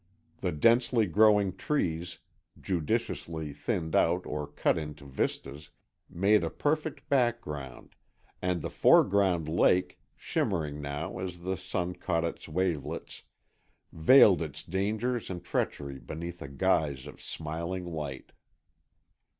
The densely growing trees, judiciously thinned out or cut into vistas, made a perfect background, and the foreground lake, shimmering now as the sun caught its wavelets, veiled its dangers and treachery beneath a guise of smiling light.